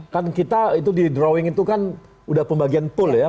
kan kita itu di drawing itu kan udah pembagian pool ya